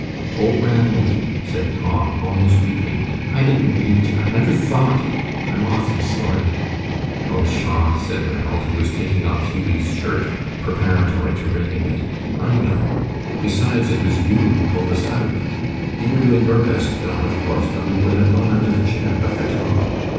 "Oh, Ranald," said Tom, almost weeping, "I didn't mean to I never thought I'm awfully sorry." "Oh, pshaw!" said Ranald, who was taking off Hughie's shirt preparatory to wringing it, "I know. Besides, it was you who pulled us out. You were doing your best, Don, of course, but we would have gone under the jam but for Tom."